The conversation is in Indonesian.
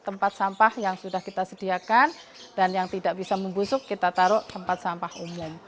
jadi tempat sampah yang sudah kita sediakan dan yang tidak bisa membusuk kita taruh tempat sampah umum